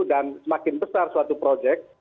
dan semakin besar suatu projek